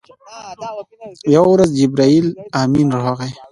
یوه ورځ جبرائیل امین راغی.